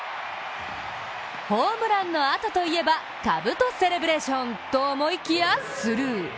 ホームランのあとといえばかぶとセレブレーションと思いきや、スルー。